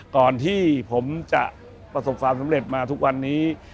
ก่อนที่ผมจะประสบความสำเร็จมาทุกวันนี้